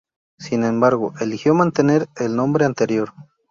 Sin embargo, eligió mantener el nombre anterior.